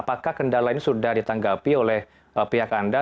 apakah kendala ini sudah ditanggapi oleh pihak anda